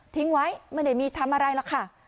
ทิ้งไว้มันจะไม่มีทำอะไรหรอกค่ะ